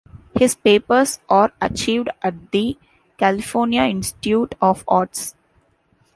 His papers are archived at the California Institute of Arts.